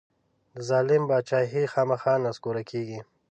د ظلم بادچاهي خامخا نسکوره کېږي.